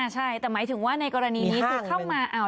ใช่แต่หมายถึงว่าในกรณีนี้คือเข้ามา